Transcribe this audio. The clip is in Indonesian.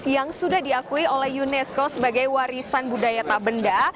yang sudah diakui oleh unesco sebagai warisan budaya tabenda